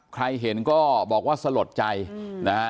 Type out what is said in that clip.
ใครเห็นก็บอกว่าสลดใจนะฮะ